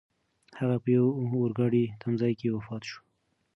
هغه په یوه اورګاډي تمځای کې وفات شو.